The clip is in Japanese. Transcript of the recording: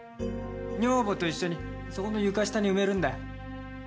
女房と一緒にそこの床下に埋めるんだ。